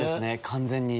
完全に。